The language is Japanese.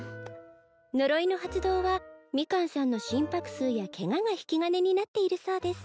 呪いの発動はミカンさんの心拍数やケガが引き金になっているそうです